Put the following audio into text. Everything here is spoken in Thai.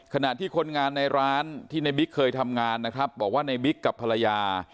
ขณะที่คนงานในร้านที่ในบิ๊กเคยทำงานนะครับบอกว่าในบิ๊กกับภรรยา